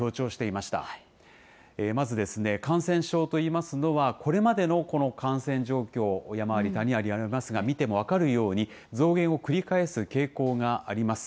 まず、感染症といいますのは、これまでのこの感染状況、山あり谷ありありますが、見ても分かるように、増減を繰り返す傾向があります。